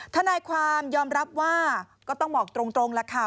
ทนายความยอมรับว่าก็ต้องบอกตรงแล้วค่ะ